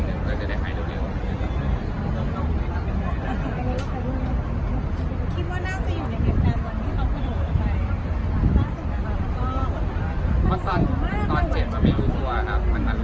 แล้วตอนขึ้นมาคือพูดหลับทุนเลนมาตอนเห็นเราก็รู้สึกว่าเดี๋ยวก็มีบาดเจ็บแน่เลยครับว่า